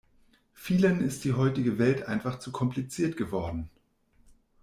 Vielen ist die heutige Welt einfach zu kompliziert geworden.